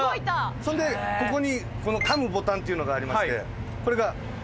そんでここに噛むボタンっていうのがありましてこれが。